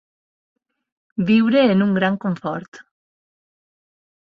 Viure en un gran confort.